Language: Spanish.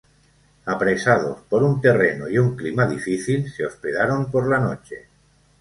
Apresados por un terreno y un clima difícil, se hospedaron por la noche.